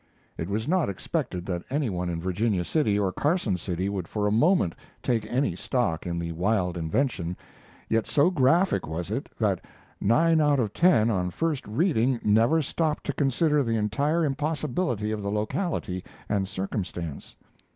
It was not expected that any one in Virginia City or Carson City would for a moment take any stock in the wild invention, yet so graphic was it that nine out of ten on first reading never stopped to consider the entire impossibility of the locality and circumstance.